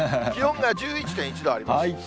気温が１１．１度あります。